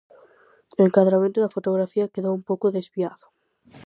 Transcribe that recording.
O encadramento da fotografía quedou un pouco desviado.